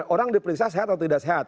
orang diperiksa sehat atau tidak sehat